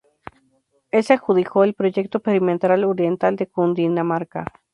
El se adjudicó el Proyecto Perimetral Oriental de Cundinamarca.